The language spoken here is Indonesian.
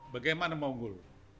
bagaimana mau unggul